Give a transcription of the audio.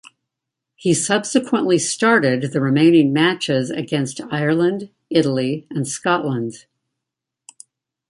He subsequently started the remaining matches against Ireland, Italy and Scotland.